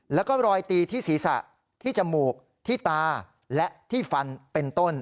แล้วก็รอยตีที่ศีรษะที่จมูกที่ตาและที่ฟันเป็นต้น